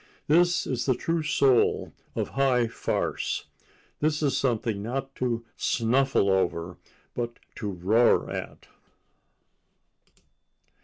This is the true soul of high farce. This is something not to snuffle over but to roar at.